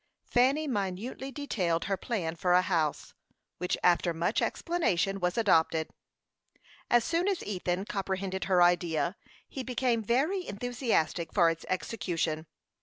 Fanny minutely detailed her plan for a house, which, after much explanation, was adopted. As soon as Ethan comprehended her idea, he became very enthusiastic for its execution.